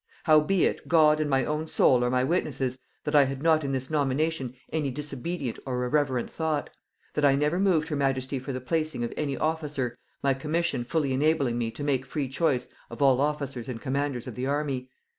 Howbeit, God and my own soul are my witnesses, that I had not in this nomination any disobedient or irreverent thought; that I never moved her majesty for the placing of any officer, my commission fully enabling me to make free choice of all officers and commanders of the army.